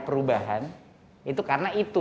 perubahan itu karena itu